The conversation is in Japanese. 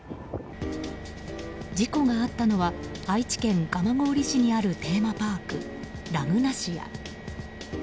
事故があったのは愛知県蒲郡市にあるテーマパークラグナシア。